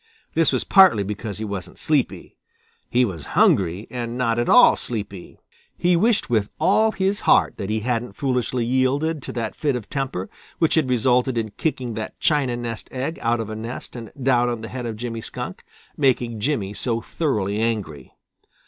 This was partly because he wasn't sleepy. He was hungry and not at all sleepy. He wished with all his heart that he hadn't foolishly yielded to that fit of temper which had resulted in kicking that china nest egg out of a nest and down on the head of Jimmy Skunk, making Jimmy so thoroughly angry.